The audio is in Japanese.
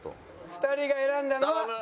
２人が選んだのはこの方。